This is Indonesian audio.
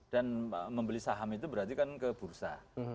dan membeli saham itu berarti kan ke bursa